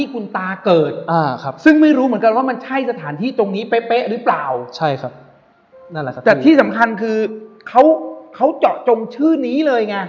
คุณธรรมคือเขาเจาะจงชื่อนี้เลยไง